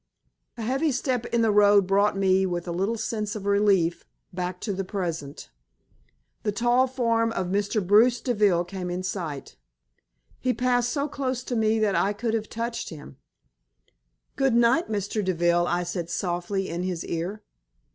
A heavy step in the road brought me, with a little sense of relief, back to the present. The tall form of Mr. Bruce Deville came in sight. He passed so close to me that I could have touched him. "Good night, Mr. Deville," I said, softly, in his ear.